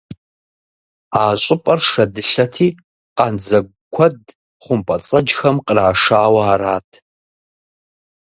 А щӏыпӏэр шэдылъэти, къандзэгу куэд хъумпӀэцӀэджхэм кърашауэ арат.